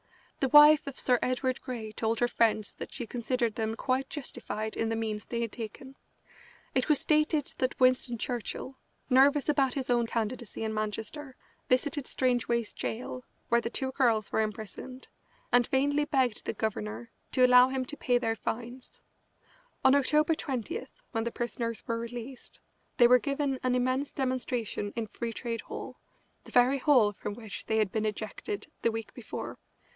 The wife of Sir Edward Grey told her friends that she considered them quite justified in the means they had taken. It was stated that Winston Churchill, nervous about his own candidacy in Manchester, visited Strangeways Gaol, where the two girls were imprisoned, and vainly begged the governor to allow him to pay their fines. On October 20, when the prisoners were released, they were given an immense demonstration in Free Trade Hall, the very hall from which they had been ejected the week before.